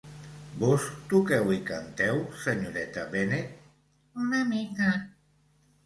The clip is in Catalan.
Vós toqueu i canteu, senyoreta Bennet?" "Una mica."